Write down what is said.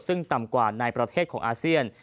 ซึ่งต่ำกว่าในประเทศของอาเซียน